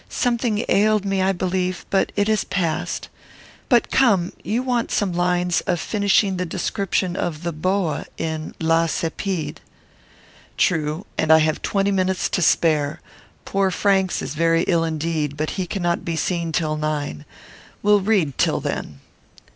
Something ailed me, I believe, but it is past. But, come, you want some lines of finishing the description of the Boa in La Cepide." "True. And I have twenty minutes to spare. Poor Franks is very ill indeed, but he cannot be seen till nine. We'll read till then."